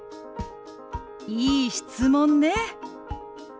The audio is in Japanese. いい質問ね。